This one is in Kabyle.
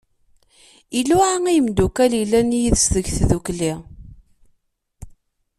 Iluɛa i yimddukal yellan yid-s deg tddukli.